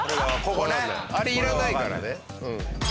あれいらないからね。